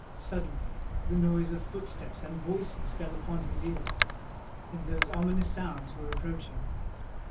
Suddenly the noise of footsteps and of voices fell upon his ears; and those ominous sounds were approaching.